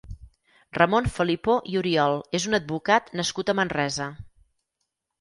Ramon Felipó i Oriol és un advocat nascut a Manresa.